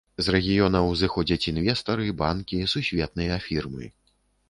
З рэгіёнаў зыходзяць інвестары, банкі, сусветныя фірмы.